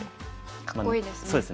かっこいいですね。